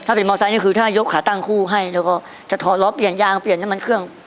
ถ้าเป็นมอไซค์นี่คือถ้ายกขาตั้งคู่ให้แล้วก็จะถอดล้อเปลี่ยนยางเปลี่ยนน้ำมันเครื่อง